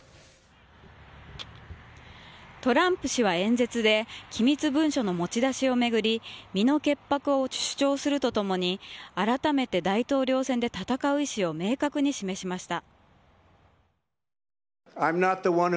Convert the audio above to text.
トランプ氏は演説で機密文書の持ち出しを巡り身の潔白を主張するとともにあらためて大統領選で戦う意思を明確に示しました。